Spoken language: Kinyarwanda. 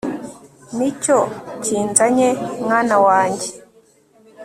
nicyo kinzanye mwana wanjye